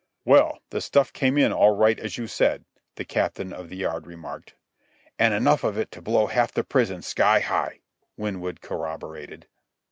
"Well, the stuff came in all right as you said," the captain of the Yard remarked. "And enough of it to blow half the prison sky high," Winwood corroborated.